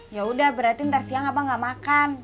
ya udah berarti ntar siang abang gak makan